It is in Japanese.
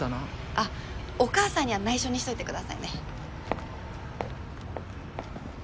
あっお母さんには内緒にしといてくださいね。